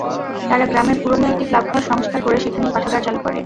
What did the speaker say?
তারা গ্রামের পুরোনো একটি ক্লাবঘর সংস্কার করে সেখানেই পাঠাগার চালু করে।